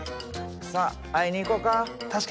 さあ会いに行こか。